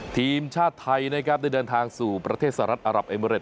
ทีมชาติไทยนะครับได้เดินทางสู่ประเทศสหรัฐอารับเอเมริด